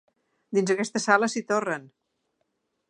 Dins aquesta sala s'hi torren!